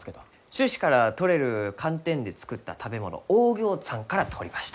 種子からとれるカンテンで作った食べ物オーギョーツァンから取りました。